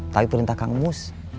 tapi perintah kang mus